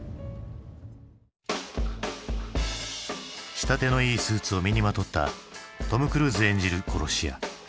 仕立てのいいスーツを身にまとったトム・クルーズ演じる殺し屋。